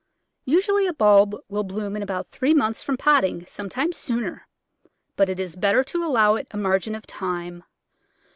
Usually a bulb will bloom in about three months from potting, sometimes sooner, but it is better to allow it a margin of time.